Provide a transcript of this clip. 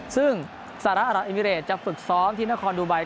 ซึ่งสระอาราฮัตอิมิเรชจะฝึกซ้อมที่นครดูไบย